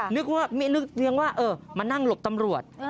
นึกว่าไม่นึกเพียงว่ามานั่งหลบตำรวจ